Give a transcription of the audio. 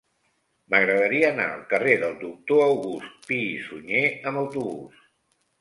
M'agradaria anar al carrer del Doctor August Pi i Sunyer amb autobús.